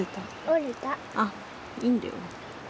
あっいいんだよ。